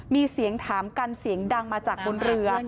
มีเสียงถามกันเสียงดังมาจากบนเรือ